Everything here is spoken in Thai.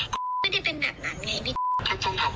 คุณเสียถัดยานั่นอยู่เวทีกับเวทีกันแล้ว